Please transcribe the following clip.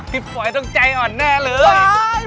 ป๋อยต้องใจอ่อนแน่เลย